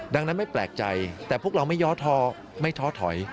ดังนั้นไม่แปลกใจแต่พวกเราไม่ย้อท้อไม่ท้อถอย